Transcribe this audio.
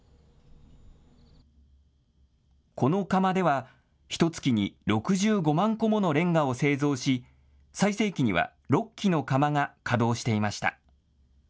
この窯では、ひとつきに６５万個ものレンガを製造し最盛期には６基の窯が稼働していました。